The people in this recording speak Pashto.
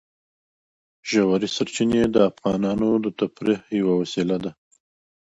ژورې سرچینې د افغانانو د تفریح یوه وسیله ده.